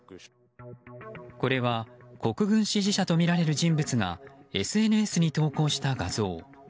これは国軍支持者とみられる人物がＳＮＳに投稿した画像。